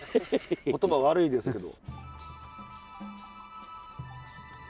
言葉悪いですけど。